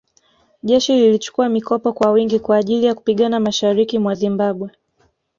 Jeshi lilichukua mikopo kwa wingi kwa ajili ya kupigana mashariki mwa Zimbabwe